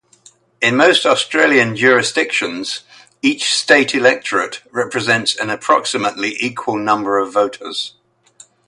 In most Australian jurisdictions, each state electorate represents an approximately equal number of voters.